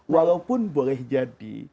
walaupun boleh jadi